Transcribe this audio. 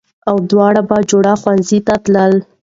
او دواړه بهجوړه ښوونځي ته تللې